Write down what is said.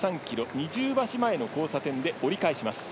二重橋の交差点で折り返します。